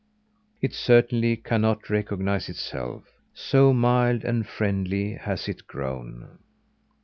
It certainly cannot recognise itself so mild and friendly has it grown.